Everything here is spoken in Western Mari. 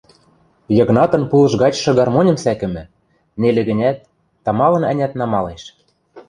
Йыгнатын пулыш гачшы гармоньым сӓкӹмӹ, нелӹ гӹнят, тамалын-ӓнят намалеш.